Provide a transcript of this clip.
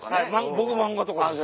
僕漫画とかです